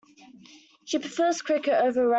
She prefers cricket over rounders.